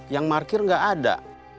yang markir gak ada